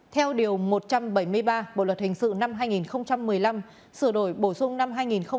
theo điều một trăm bảy mươi ba bộ luật hình sự năm hai nghìn một mươi năm sửa đổi bổ sung năm hai nghìn một mươi bảy